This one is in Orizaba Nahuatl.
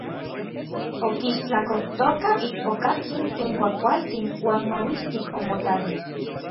Okistlakojtokaj ichpokatsin ken kuajkualtsin uan mauistik omotaya.